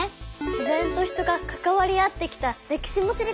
自然と人がかかわり合ってきた歴史も知りたいわ。